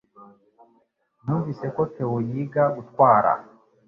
Numvise ko Theo yiga gutwara